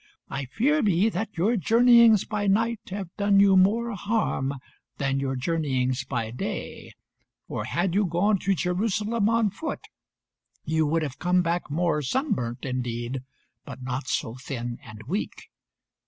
I fear me that your journeyings by night have done you more harm than your journeyings by day, for had you gone to Jerusalem on foot you would have come back more sunburnt, indeed, but not so thin and weak.